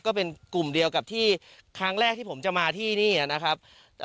ก็เป็นกลุ่มเดียวกับที่ครั้งแรกที่ผมจะมาที่นี่นะครับ